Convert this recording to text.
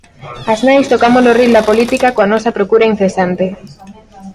As nais tocamos o ril da política coa nosa procura incesante.